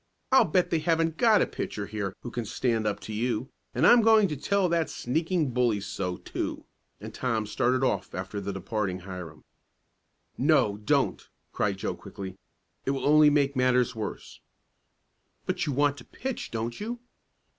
I'll bet they haven't got a pitcher here who can stand up to you, and I'm going to tell that sneaking bully so, too," and Tom started off after the departing Hiram. "No, don't!" cried Joe quickly. "It will only make matters worse." "But you want to pitch; don't you?"